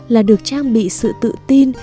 là được trang bị sự tự tin